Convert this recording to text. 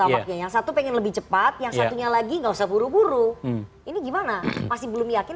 tampaknya yang satu pengen lebih cepat yang satunya lagi nggak usah buru buru ini gimana masih belum yakin